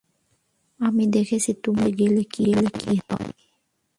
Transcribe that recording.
আমরা দেখেছি তুমি করতে গেলে কী হয়।